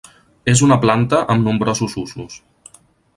És una planta amb nombrosos usos.